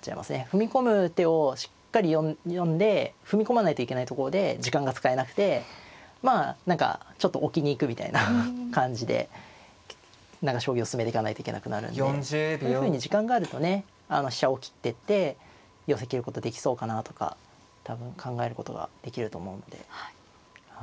踏み込む手をしっかり読んで踏み込まないといけないところで時間が使えなくてまあ何かちょっと置きに行くみたいな感じで将棋を進めていかないといけなくなるんでこういうふうに時間があるとね飛車を切ってって寄せきることできそうかなとか多分考えることができると思うんで。